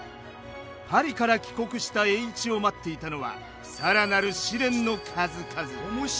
パリから帰国した栄一を待っていたのは更なる試練の数々。